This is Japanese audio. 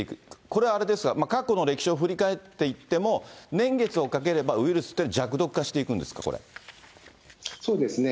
これ、あれですか、過去の歴史を振り返っていっても、年月をかければ、ウイルスって弱毒化していそうですね。